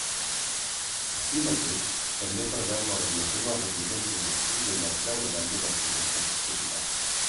Així mateix, també preveu la variació en el rendiment productiu i en el preu de venda dels productes certificats.